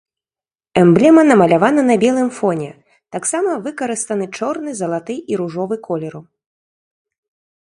Эмблема намалявана на белым фоне, таксама выкарыстаны чорны, залаты і ружовы колеру.